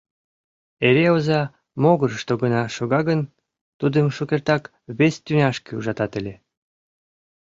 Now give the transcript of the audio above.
Эре оза могырышто гына шога гын, тудым шукертак вес тӱняшке ужатат ыле.